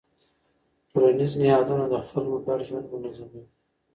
ټولنیز نهادونه د خلکو ګډ ژوند منظموي.